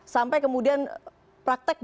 sampai kemudian prakteknya berjalan